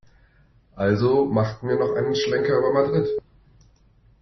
Also machten wir noch einen Schlenker über Madrid.